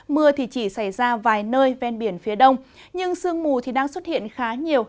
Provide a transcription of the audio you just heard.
mưa chỉ xảy ra vài nơi ven biển phía đông nhưng sương mù đang xuất hiện khá nhiều